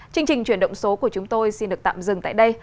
chương trình chuyển động số của chúng tôi xin được tạm dừng tại đây